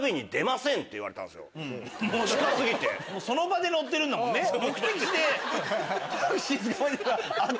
その場で乗ってるんだもんね。